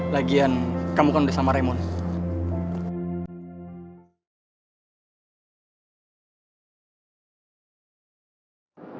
lagian kamu kan udah sama raimon